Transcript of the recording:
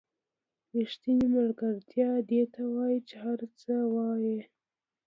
ریښتینې ملګرتیا دې ته وایي چې هر څه وایئ.